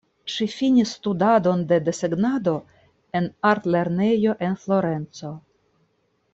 Ŝi finis studadon de desegnado en artlernejo en Florenco.